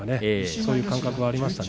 そういう感覚はありました。